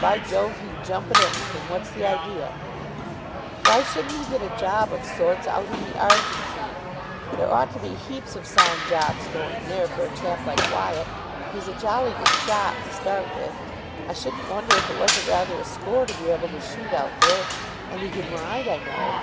"By Jove, he'd jump at anything. What's the idea?" "Why shouldn't he get a job of sorts out in the Argentine? There ought to be heaps of sound jobs going there for a chap like Wyatt. He's a jolly good shot, to start with. I shouldn't wonder if it wasn't rather a score to be able to shoot out there. And he can ride, I know."